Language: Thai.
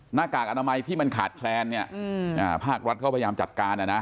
หน้ากากอนามัยที่มันขาดแคลนเนี่ยภาครัฐเขาพยายามจัดการ